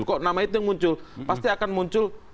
kok nama itu yang muncul pasti akan muncul